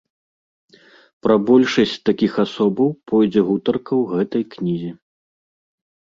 Пра большасць такіх асобаў пойдзе гутарка ў гэтай кнізе.